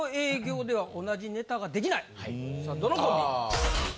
さあどのコンビ？